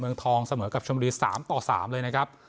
เมืองทองเสมอกับชมบุรี๓ต่อ๓เลยนะครับ